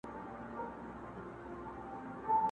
لولۍ نجوني پکښي ګرځي چي راځې بند به دي کړینه،،!